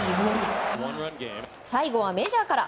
最後はメジャーから。